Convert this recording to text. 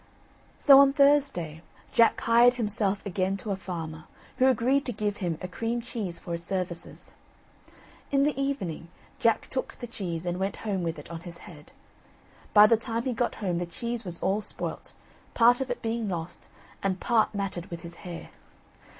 So on Thursday, Jack hired himself again to a farmer, who agreed to give him a cream cheese for his services. In the evening Jack took the cheese, and went home with it on his head. By the time he got home the cheese was all spoilt, part of it being lost, and part matted with his hair.